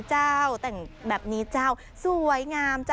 แต่งแบบนี้สวยงาม